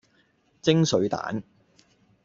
蒸水蛋